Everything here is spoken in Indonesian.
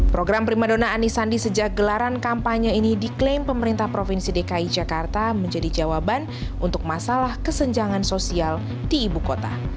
program prima dona anisandi sejak gelaran kampanye ini diklaim pemerintah provinsi dki jakarta menjadi jawaban untuk masalah kesenjangan sosial di ibu kota